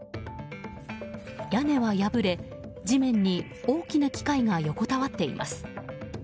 屋根はやぶれ、地面に大きな機械が横たわっています。